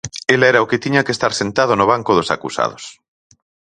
El era o que tiña que estar sentado no banco dos acusados.